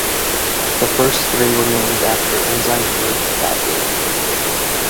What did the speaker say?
The first three were named after Ensign Worth Bagley.